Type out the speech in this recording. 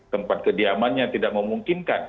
tempat kediamannya tidak memungkinkan